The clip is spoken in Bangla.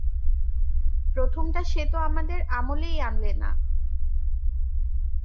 প্রথমটা সে তো আমাদের আমলেই আনলে না।